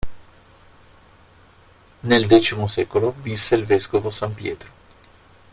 Nel X secolo visse il vescovo san Pietro.